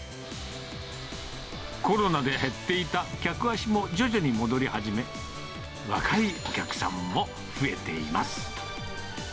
コロナで減っていた客足も徐々に戻り始め、若いお客さんも増えています。